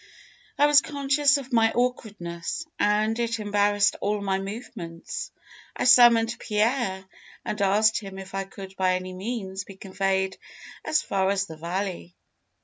I was conscious of my awkwardness, and it embarrassed all my movements. I summoned Pierre, and asked him if I could by any means be conveyed as far as the valley.